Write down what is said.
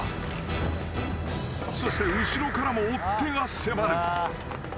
［そして後ろからも追っ手が迫る］